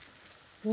お？